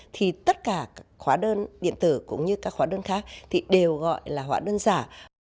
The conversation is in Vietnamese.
thì tất cả hóa đơn điện tử cũng như các hóa đơn khác thì đều gọi là hóa đơn giả